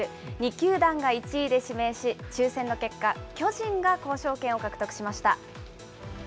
２球団が１位で指名し、抽せんの結果、巨人が交渉権を獲得しました。